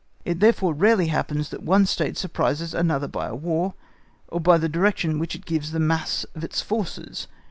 It therefore rarely happens that one State surprises another by a War, or by the direction which it gives the mass of its forces.